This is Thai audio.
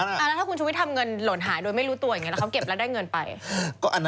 แล้วถ้าคุณชุวิตทำเงินหล่นหายโดยไม่รู้ตัวอย่างนี้แล้วเขาเก็บแล้วได้เงินไป